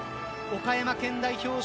岡山県代表